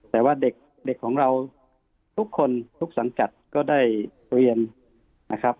แต่ว่าเด็กของเราทุกคนทุกสังกัดก็ได้เรียนนะครับ